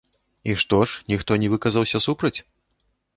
І што ж, ніхто не выказаўся супраць?